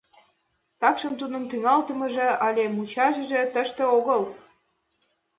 Такшым тудын тӱҥалтышыже але мучашыже тыште огыл.